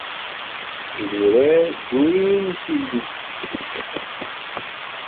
Idurar ddurin i tili-s.